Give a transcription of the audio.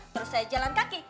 terus saya jalan kaki